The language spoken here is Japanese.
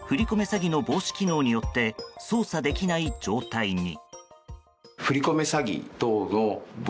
詐欺の防止機能によって操作できない状態に。